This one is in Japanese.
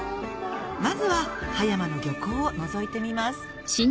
まずは葉山の漁港をのぞいてみます